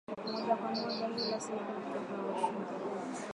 moja kwa moja kila siku kutoka Washington